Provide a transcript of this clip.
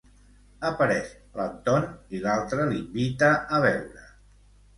Apareix l'Anton i l'altre l'invita a beure.